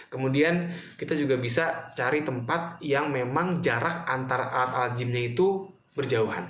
kemudian kita juga bisa cari tempat yang memang jarak antara alat alat gymnya itu berjauhan nggak berdempetan minimal dua meter